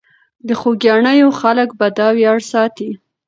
د خوګیاڼیو خلک به دا ویاړ ساتي.